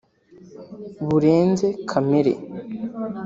burenze kamere